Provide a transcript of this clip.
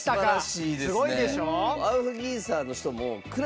すごいでしょ。